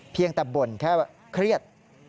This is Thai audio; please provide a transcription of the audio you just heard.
เพียงแต่บ่นแค่ว่าเครียด